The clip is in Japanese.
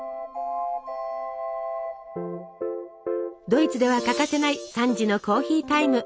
ドイツでは欠かせない３時のコーヒータイム。